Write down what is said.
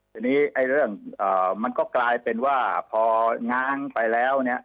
ทีนี้เรื่องมันก็กลายเป็นว่าพอง้างไปแล้วเนี่ย